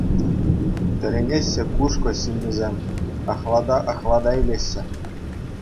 Тӗлӗнеҫҫӗ Кушкӑ ҫыннисем, ахлата-ахлата итлеҫҫӗ.